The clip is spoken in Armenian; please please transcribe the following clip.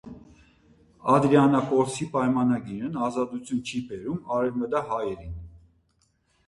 Ադրիանապոլսի պայմանագիրն ազատություն չի բերում արևմտահայերին։